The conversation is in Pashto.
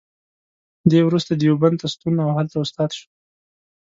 دی وروسته دیوبند ته ستون او هلته استاد شو.